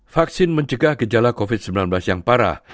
vaksin mencegah gejala covid sembilan belas yang parah